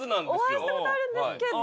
お会いしたことあるんですけど。